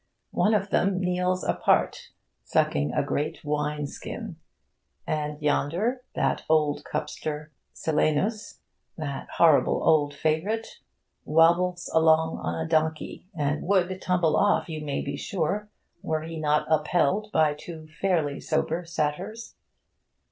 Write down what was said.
One of them kneels apart, sucking a great wine skin. And yonder, that old cupster, Silenus, that horrible old favourite, wobbles along on a donkey, and would tumble off, you may be sure, were he not upheld by two fairly sober Satyrs.